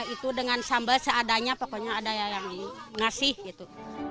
itu dengan sambal seadanya pokoknya ada yang ngasih gitu